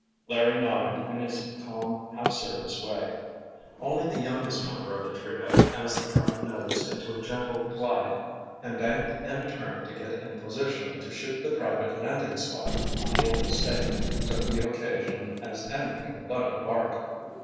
Larry nodded in his calm, half serious way. Only the youngest member of the trio, as the craft nosed into a gentle glide and banked in a turn to get in position to shoot the private landing spot on the old estate, took the occasion as anything but a lark.